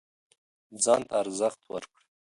ځان ته ارزښت ورکړه